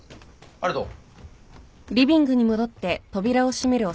ありがとう。